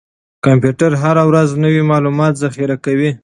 کمپیوټر هره ورځ نوي معلومات ذخیره کوي.